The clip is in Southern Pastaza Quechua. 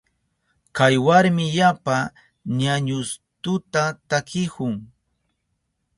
Kay warmi yapa ñañustuta takihun.